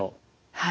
はい。